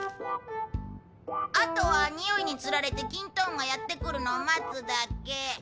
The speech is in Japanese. あとはにおいにつられてきんと雲がやって来るのを待つだけ。